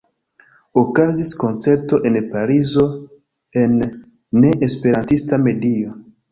Okazis koncerto en Parizo en ne-esperantista medio.